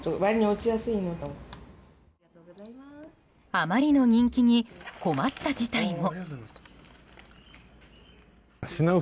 あまりの人気に困った事態も。